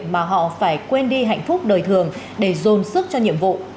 mà họ phải quên đi hạnh phúc đời thường để dồn sức cho nhiệm vụ